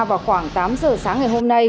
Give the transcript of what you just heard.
vào khoảng tám giờ sáng ngày hôm nay